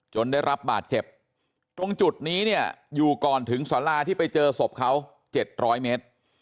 ได้รับบาดเจ็บตรงจุดนี้เนี่ยอยู่ก่อนถึงสาราที่ไปเจอศพเขา๗๐๐เมตร